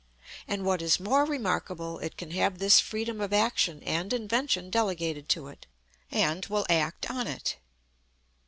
And what is more remarkable, it can have this freedom of action and invention delegated to it, and will act on it.